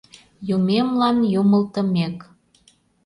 Юмемлан юмылтымек.